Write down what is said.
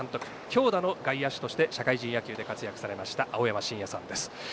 強打の外野手として社会人野球で活躍されました青山眞也さんです。